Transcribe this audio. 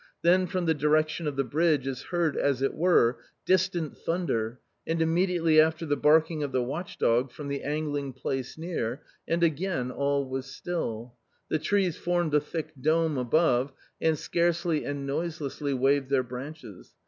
Then from the direction of the bridge is heard as it were distant thunder and immediately after the barking of the watch dog from the angling place near, and again all was stilL The trees formed a dark dome above, and scarcely and noise lessly waved their branches.